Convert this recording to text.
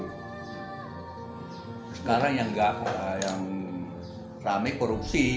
sekarang yang rame korupsi